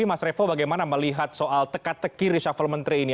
mas revo bagaimana melihat soal teka teki reshuffle menteri ini